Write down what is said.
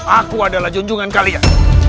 aku adalah junjungan kalian